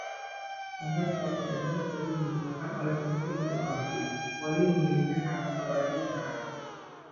Fender Stratocaster sering digunakan oleh musisi musik country; Holly memilihnya karena suaranya yang keras.